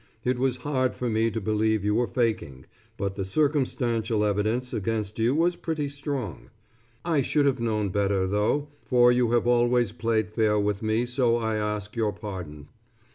It was hard for me to believe you were faking; but the circumstantial evidence against you was pretty strong. I should have known better, though, for you have always played fair with me so I ask your pardon.